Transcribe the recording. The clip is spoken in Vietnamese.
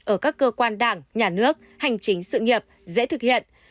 ở các cơ quan đảng nhà nước hành chính sự nghiệp dễ thực hiện